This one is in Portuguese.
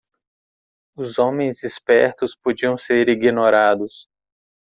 Os homens espertos podiam ser ignorados.